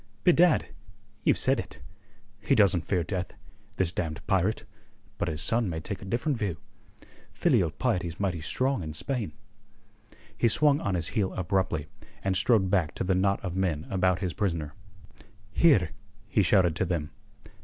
"Bedad! ye've said it. He doesn't fear death, this damned pirate; but his son may take a different view. Filial piety's mighty strong in Spain." He swung on his heel abruptly, and strode back to the knot of men about his prisoner. "Here!" he shouted to them.